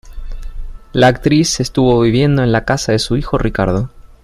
La actriz estuvo viviendo en la casa de su hijo Ricardo.